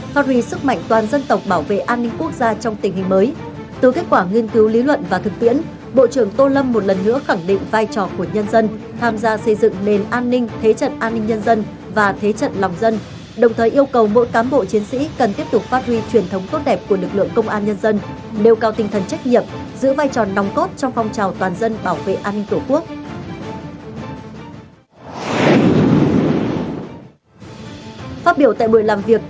phát huy sức mạnh toàn dân tộc bảo vệ an ninh quốc gia trong tình hình mới từ kết quả nghiên cứu lý luận và thực tiễn bộ trưởng tô lâm một lần nữa khẳng định vai trò của nhân dân tham gia xây dựng nền an ninh thế trận an ninh nhân dân và thế trận lòng dân đồng thời yêu cầu mỗi cám bộ chiến sĩ cần tiếp tục phát huy truyền thống tốt đẹp của lực lượng công an nhân dân đều cao tinh thần trách nhiệm giữ vai trò đóng cốt trong phong trào toàn dân bảo vệ an ninh tổ quốc